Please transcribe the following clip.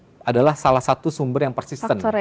itu adalah salah satu sumber yang persisten